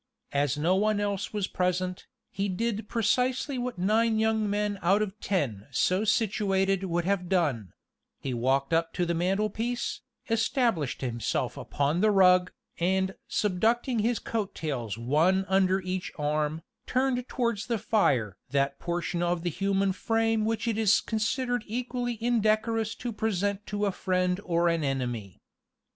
As no one else was present, he did precisely what nine young men out of ten so situated would have done; he walked up to the mantelpiece, established himself upon the rug, and subducting his coat tails one under each arm, turned towards the fire that portion of the human frame which it is considered equally indecorous to present to a friend or an enemy.